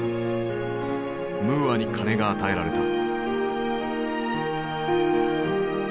ムーアに金が与えられた。